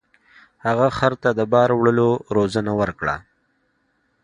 هغه خر ته د بار وړلو روزنه ورکړه.